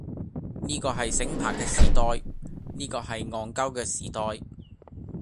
呢個係醒爬嘅時代，呢個係戇鳩嘅時代，